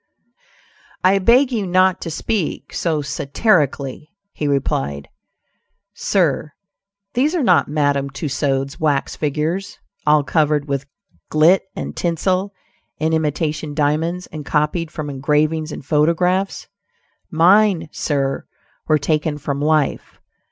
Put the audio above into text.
"I beg you not to speak so satirically," he replied, "Sir, these are not Madam Tussaud's wax figures, all covered with gilt and tinsel and imitation diamonds, and copied from engravings and photographs. Mine, sir, were taken from life.